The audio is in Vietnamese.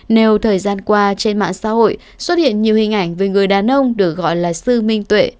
nếu thời gian qua trên mạng xã hội xuất hiện nhiều hình ảnh về người đàn ông được gọi là sư minh tuệ